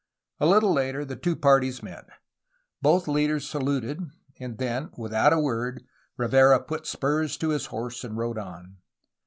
A little later the two parties met. Both leaders saluted, and then, without a word, Rivera put spurs to his horse and rode on.